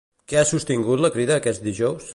Què ha sostingut la Crida aquest dijous?